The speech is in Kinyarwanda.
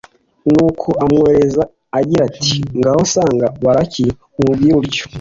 nuko amwohereza agira ati «ngaho sanga balaki, umubwire utyo.